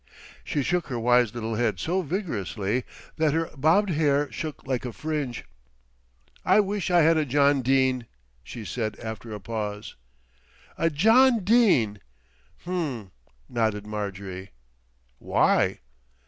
She shook her wise little head so vigorously that her bobbed hair shook like a fringe. "I wish I had a John Dene," she said after a pause. "A John Dene!" "Ummm!" nodded Marjorie. "Why?"